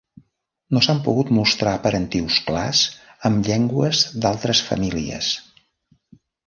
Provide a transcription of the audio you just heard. No s'han pogut mostrar parentius clars amb llengües d'altres famílies.